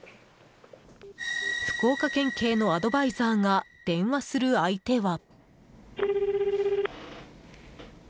福岡県警のアドバイザーが電話する相手は。